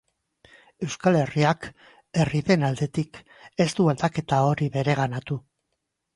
Euskal Herriak, herri den aldetik, ez du aldaketa hori bereganatu.